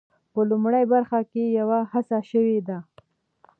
په لومړۍ برخه کې یوه هڅه شوې ده.